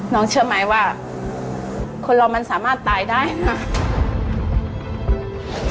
เชื่อไหมว่าคนเรามันสามารถตายได้ค่ะ